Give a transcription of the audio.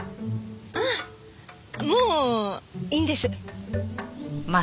ああもういいんです。